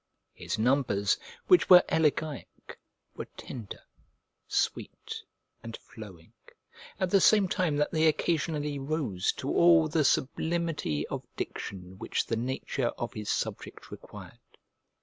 His numbers, which were elegiac, were tender, sweet, and flowing, at the same time that they occasionally rose to all the sublimity of diction which the nature of his subject required.